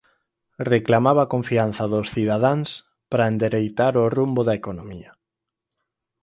Reclamaba a confianza dos cidadáns para endereitar o rumbo da economía.